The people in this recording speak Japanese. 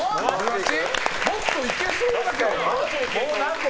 もっといけそうだけどな。